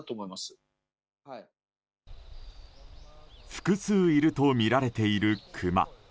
複数いるとみられているクマ。